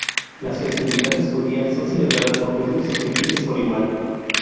Las festividades judías son celebradas por judíos y gentiles por igual.